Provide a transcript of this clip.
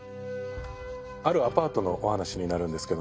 あるアパートのお話になるんですけども。